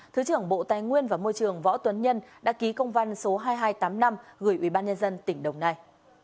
thứ trưởng bộ tài nguyên và môi trường võ tuấn nhân đã ký công văn số hai nghìn hai trăm tám mươi năm gửi ubnd tỉnh đồng nai